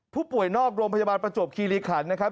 ผู้ป่วยนอกโรงพยาบาลประจบคีริขรรภ์